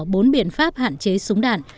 bốn biện pháp hạn chế súng đạn